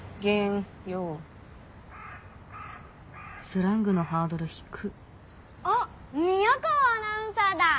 スラングのハードル低あ宮川アナウンサーだ。